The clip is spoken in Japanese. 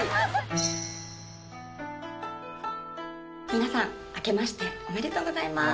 皆さんあけましておめでとうございます。